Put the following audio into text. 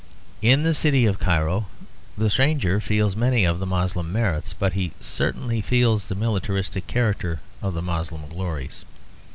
In the city of Cairo the stranger feels many of the Moslem merits, but he certainly feels the militaristic character of the Moslem glories.